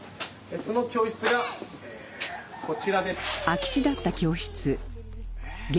その教室がこちらです。